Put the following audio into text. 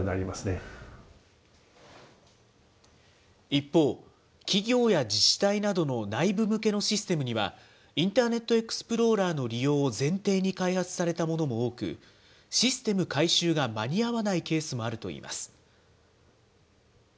一方、企業や自治体などの内部向けのシステムには、インターネットエクスプローラーの利用を前提に開発されたものも多く、システム改修が間に合わないケースもあるといいます。